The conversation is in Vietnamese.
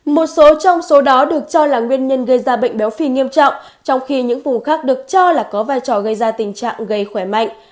một số trong số đó được cho là nguyên nhân gây ra bệnh béo phì nghiêm trọng trong khi những vùng khác được cho là có vai trò gây ra tình trạng gây khỏe mạnh